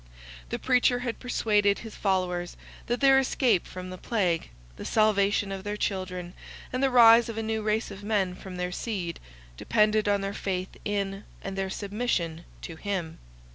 The preacher had persuaded his followers, that their escape from the plague, the salvation of their children, and the rise of a new race of men from their seed, depended on their faith in, and their submission to him.